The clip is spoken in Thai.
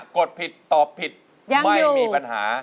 ดผิดตอบผิดไม่มีปัญหา